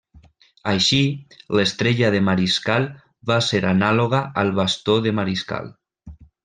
Així, l'estrella de mariscal va ser anàloga al bastó de Mariscal.